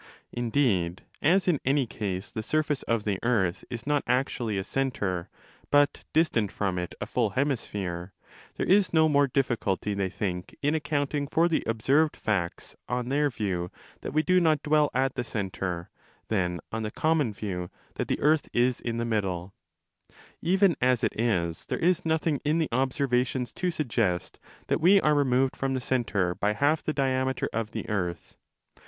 Indeed, 25 as in any case the surface of the earth is not actually a centre but distant from it a full hemisphere, there is no more difficulty, they think, in accounting for the observed facts on their view that we do not dwell at the centre, than on the common view that the earth is in the middle, Even as it is, there is nothing in the observations to suggest that we are removed from the centre by half the diameter of the 3° earth.